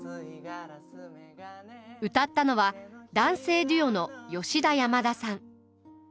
歌ったのは男性デュオの吉田山田さん。